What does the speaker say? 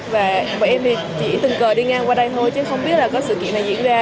và bọn em thì chỉ từng cờ đi ngang qua đây thôi chứ không biết là có sự kiện này diễn ra